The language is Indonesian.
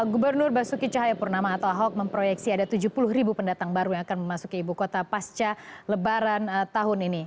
gubernur basuki cahayapurnama atau ahok memproyeksi ada tujuh puluh ribu pendatang baru yang akan memasuki ibu kota pasca lebaran tahun ini